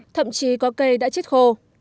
thậm chí có cây đã chết khô